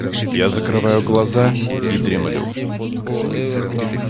Я закрываю глаза и дремлю.